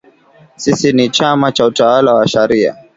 Sisi ni chama cha utawala wa sharia